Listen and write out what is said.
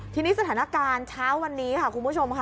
ทีนี้สถานการณ์เช้าวันนี้ค่ะคุณผู้ชมค่ะ